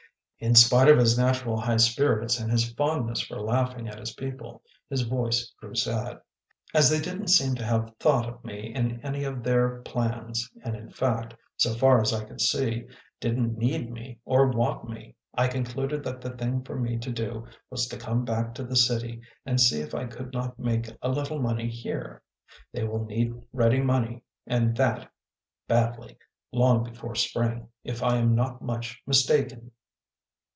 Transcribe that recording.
In spite of his natural high spirits and his fondness for laughing at his people, his voice grew sad. " As they didn t seem to have thought of me in any of their plans, and in fact, so far as I could see, didn t need me or want me, I concluded that the thing for me to do was to come back to the city and see if I could not make a little money here. They will need ready money and that badly, long before Spring, if I am not much mis taken."